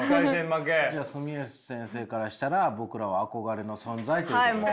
じゃあ住吉先生からしたら僕らは憧れの存在ということですね。